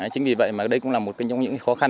chính vì vậy mà đây cũng là một trong những khó khăn